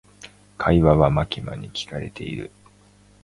会話はマキマに聞かれている。